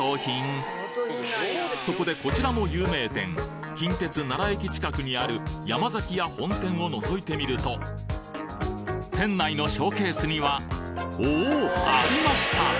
そこでこちらも有名店近鉄奈良駅近くにある山崎屋本店を覗いてみると店内のショーケースにはおお！ありました！